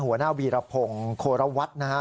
หัวหน้าวีรพงศ์โครวัตรนะฮะ